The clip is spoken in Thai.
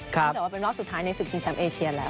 จากว่าเป็นรอบสุดท้ายในศึกชิงแชมป์เอเชียแล้ว